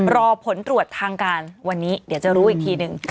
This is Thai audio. รอผลตรวจทางการวันนี้เดี๋ยวจะรู้อีกทีหนึ่ง